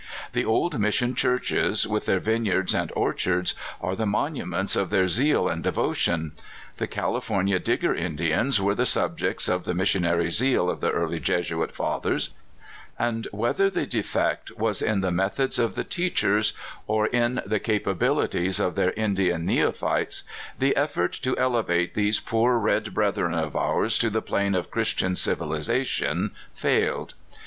The old mission churches, with their vineyards and orchards, are the monu ments of their zeal and devotion. The California FATHKR ACOLTI. 297 Digger Indians were the subjects of the mission ary zeal of the early Jesuit fathers; and whether the defect was in the methods of the teachers or in the capabilities of their Indian neophytes, the ef fort to elevate these poor red brethren of ours to the plane of Christian civilization failed.